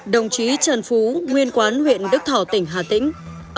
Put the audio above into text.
đồng chí trần phú nguyên quán huyện đức thọ tỉnh hà tĩnh